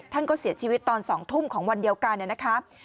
ท่านก็เสียชีวิตตอน๒ทุ่มของวันเดียวกันนะครับ